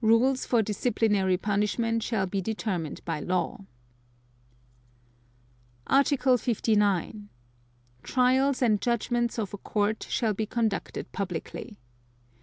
(3) Rules for disciplinary punishment shall be determined by law. Article 59. Trials and judgments of a Court shall be conducted publicly.